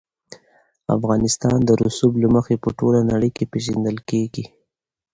افغانستان د رسوب له مخې په ټوله نړۍ کې پېژندل کېږي.